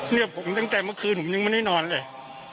เนี่ยผมตั้งแต่เมื่อคืนผมยังไม่ได้นอนเลย